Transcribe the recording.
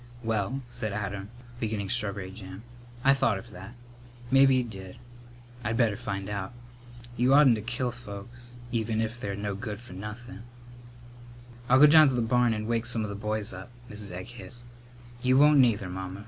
"Well," said Adam, beginning strawberry jam, "I thought of that. Mebbe he did. I'd better find out. Y'oughtn't to kill folks even if they're no good for nothin'." "I'll go down to the barn and wake some of the boys up," Mrs. Egg hissed. "You won't neither, Mamma.